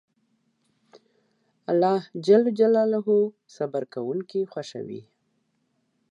الله جل جلاله صبر کونکي خوښوي